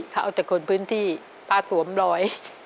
เขาเอาแต่คนพื้นที่ป้าสวมรอย